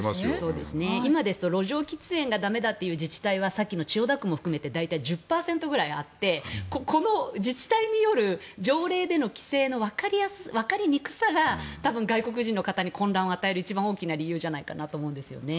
今ですと路上喫煙が駄目だという自治体はさっきの千代田区も含めて１０％ぐらいあってこの自治体による条例での規制のわかりにくさが多分、外国人の方に混乱を与える一番の理由じゃないかと思います。